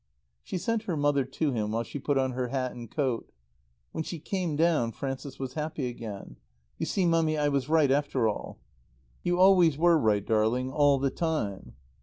She sent her mother to him while she put on her hat and coat. When she came down Frances was happy again. "You see, Mummy, I was right, after all." "You always were right, darling, all the time."